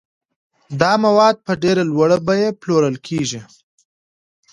دا مواد په ډېره لوړه بیه پلورل کیږي.